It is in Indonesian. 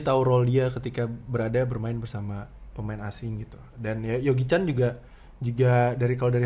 tahu roll ya ketika berada bermain bersama pemain asing gitu dan ya sometime juga juga dari kaoli